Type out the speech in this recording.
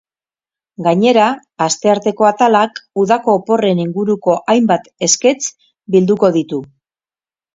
Gainera, astearteko atalak udako oporren inguruko hainbat esketx bilduko ditu.